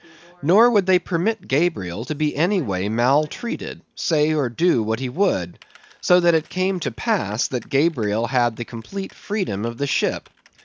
Nor would they permit Gabriel to be any way maltreated, say or do what he would; so that it came to pass that Gabriel had the complete freedom of the ship.